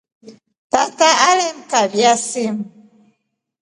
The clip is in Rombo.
Tata alemkabya simu.